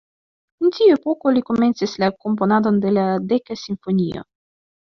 En tiu epoko, li komencis la komponadon de la "Deka Simfonio".